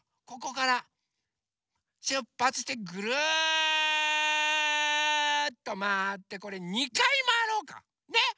ここからしゅっぱつしてぐるっとまわってこれ２かいまわろうか。ね？